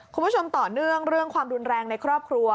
คุณผู้ชมต่อเนื่องเรื่องความรุนแรงในครอบครัว